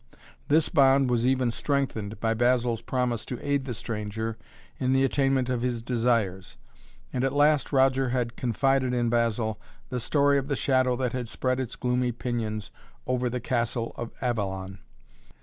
This bond was even strengthened by Basil's promise to aid the stranger in the attainment of his desires, and at last Roger had confided in Basil the story of the shadow that had spread its gloomy pinions over the castle of Avalon.